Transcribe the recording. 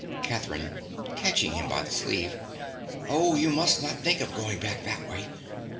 _) CATHERINE. (catching him by the sleeve). Oh, you must not think of going back that way.